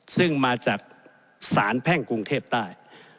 ซึ่งมาจากสารแพ่งกรุงเทพใต้